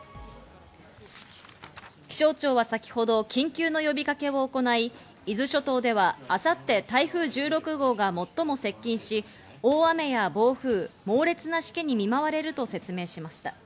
気象庁は先ほど緊急の呼びかけを行い、伊豆諸島では明後日、台風１６号が最も接近し、大雨や暴風、猛烈なしけに見舞われると説明しました。